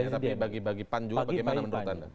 tapi bagi bagi pan juga bagaimana menurut anda